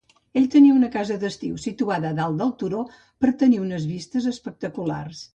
Ell tenia una casa d'estiu situada dalt del turó per tenir unes vistes espectaculars.